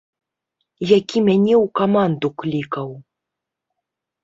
Які мяне ў каманду клікаў.